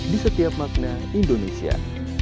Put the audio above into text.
di setiap makna indonesia